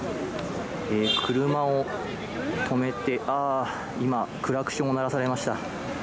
車を止めて今、クラクションを鳴らされました。